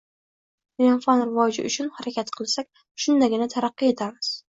ilm-fan rivoji uchun harakat qilsak, shundagina taraqqiy etamiz.